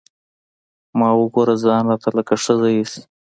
ما وګوره ځان راته لکه ښځه ايسي.